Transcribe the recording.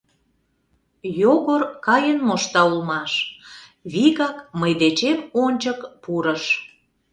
Йогор каен мошта улмаш, вигак мый дечем ончык пурыш.